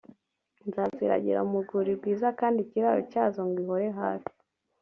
nzaziragira mu rwuri rwiza kandi ikiraro cyazo ngoihore hafi